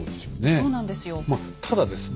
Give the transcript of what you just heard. そうなんですよ。